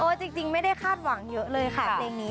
จริงไม่ได้คาดหวังเยอะเลยค่ะเพลงนี้